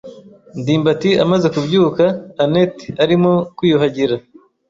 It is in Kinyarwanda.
ndimbati amaze kubyuka, anet arimo kwiyuhagira.